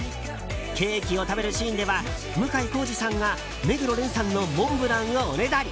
ケーキを食べるシーンでは向井康二さんが目黒蓮さんのモンブランをおねだり。